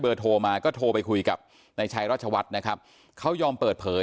โทรมาก็โทรไปคุยกับนายชัยราชวัฒน์นะครับเขายอมเปิดเผย